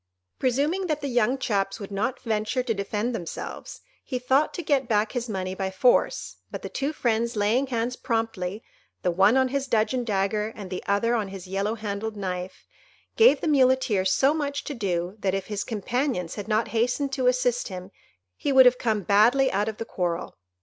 Presuming that the young chaps would not venture to defend themselves, he thought to get back his money by force; but the two friends laying hands promptly, the one on his dudgeon dagger and the other on his yellow handled knife, gave the Muleteer so much to do, that if his companions had not hastened to assist him, he would have come badly out of the quarrel.